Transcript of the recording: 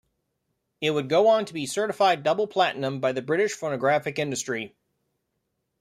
It would go on to be certified double platinum by the British Phonographic Industry.